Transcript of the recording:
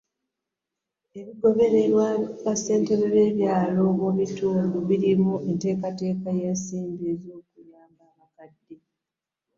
Ebigobererwa bassentebe b’ebyalo mu bitundu ebirimu enteekateeka y’ensimbi ez’okuyamba abakadde.